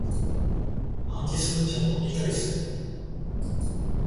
暗記するんじゃなく理解する